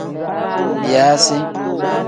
Biyaasi.